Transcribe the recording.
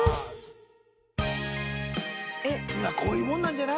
今こういうもんなんじゃない？